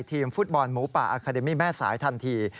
ทีมฟุตบอลหมูป่าอาคาเดมี่แม่สายทันที